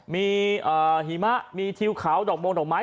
มีหิมะมีทิวเขาดอกมงดอกไม้